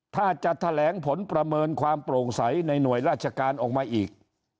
ถ้าจะแถลงผลประเมินความโปร่งใสในหน่วยราชการออกมาอีก